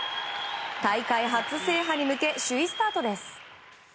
大会初制覇に向け首位スタートです。